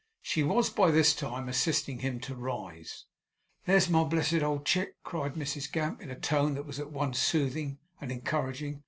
She was by this time assisting him to rise. 'There's my blessed old chick!' cried Mrs Gamp, in a tone that was at once soothing and encouraging.